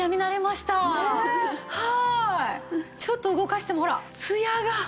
ちょっと動かしてもほらツヤが！